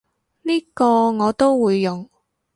呢個我都會用